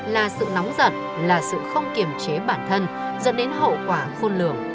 là sự nóng giật là sự không kiềm chế bản thân dẫn đến hậu quả khôn lưỡng